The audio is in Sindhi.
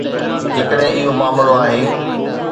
جيڪڏهن اهو معاملو آهي.